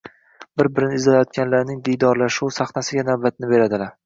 – bir-birini izlayotganlarning diydorlashuvi saxnasiga navbatni beradilar.